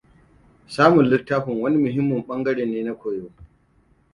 Samun littafin wani muhimmin ɓangare ne na koyo.